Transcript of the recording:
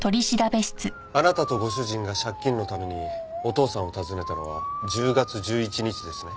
あなたとご主人が借金のためにお父さんを訪ねたのは１０月１１日ですね？